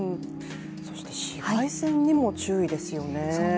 そして紫外線にも注意ですよね。